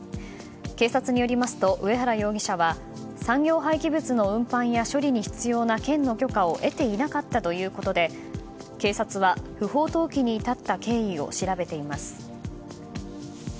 警察によりますと、上原容疑者は産業廃棄物の運搬や処理に必要な県の許可を得ていなかったということで警察は不法投棄に至った経緯を調べています。